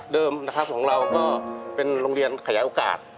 นะครับของเราก็เป็นโรงเรียนขยายโอกาส